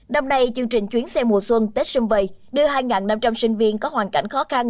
năm nay chương trình chuyến xe mùa xuân tết xung vầy đưa hai năm trăm linh sinh viên có hoàn cảnh khó khăn